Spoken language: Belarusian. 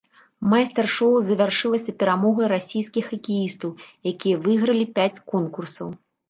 Майстар-шоў завяршылася перамогай расійскіх хакеістаў, якія выйгралі пяць конкурсаў.